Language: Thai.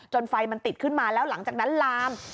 ไฟมันติดขึ้นมาแล้วหลังจากนั้นลาม